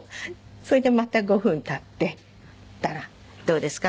それでまた５分経って行ったら「どうですか？